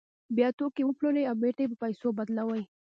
بیا توکي پلوري او بېرته یې په پیسو بدلوي